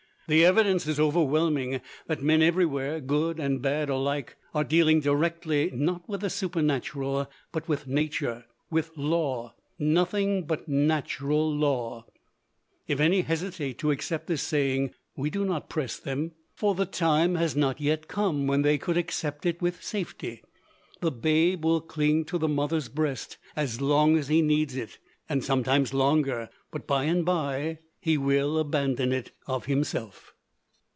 The evidence is overwhelming that men everywhere, good and bad alike, are dealing directly, not with the Supernatural, but, with Nature with law; nothing but natural law. If any hesitate to accept this saying, we do not press them, for the time has not yet come when they could accept it with safety. The babe will cling to the mother's breast as long as he needs it, and sometimes longer; but by and by he will abandon it of himself.